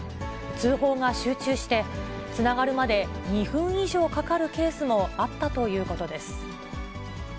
通報が集中して、つながるまで２分以上かかるケースもあったということです。